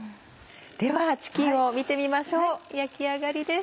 ではチキンを見てみましょう焼き上がりです。